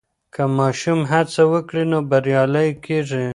که ماشوم هڅه وکړي نو بریالی کېږي.